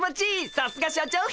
さすが社長っす！